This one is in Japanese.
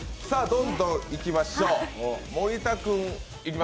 どんどんいきましょう。